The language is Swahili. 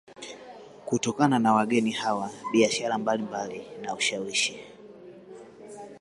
Kutokana na wageni hawa biashara mbalimbali na ushawishi